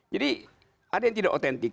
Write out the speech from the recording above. jadi ada yang tidak otentik